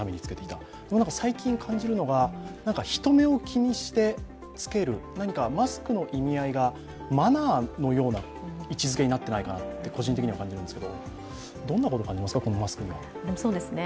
しかし、最近感じるのは人目を気にして着けるマスクの意味合いがマナーのような位置づけになっていないかなと、個人的には感じるんですけど、どんなことを感じますか。